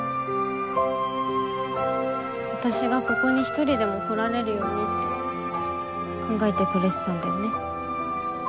私がここに１人でも来られるようにって考えてくれてたんだよね？